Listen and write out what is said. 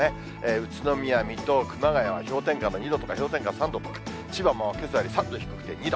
宇都宮、水戸、熊谷は氷点下の２度とか、氷点下３度とか、千葉もけさより３度低くて２度。